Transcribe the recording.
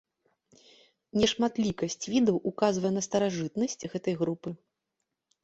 Нешматлікасць відаў указвае на старажытнасць гэтай групы.